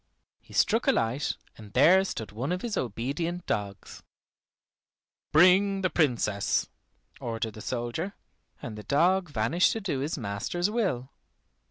He struck a light, and there stood one of his obedient dogs. "Bring the Princess," ordered the soldier, and the dog vanished to do his master's will.